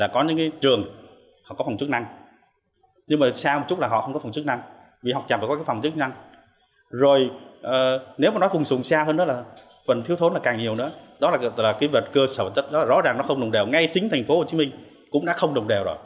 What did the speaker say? cơ sở vật chất đó rõ ràng nó không đồng đều ngay chính thành phố hồ chí minh cũng đã không đồng đều rồi